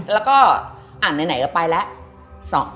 แล้วก็ไหนก็ไปแล้ว